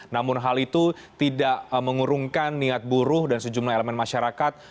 namun hal itu tidak mengurungkan niat buruh dan sejumlah elemen masyarakat